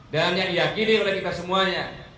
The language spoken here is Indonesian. dan yang diyakini oleh kita semuanya